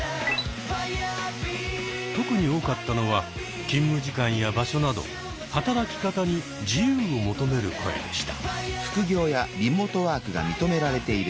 特に多かったのは勤務時間や場所など働き方に自由を求める声でした。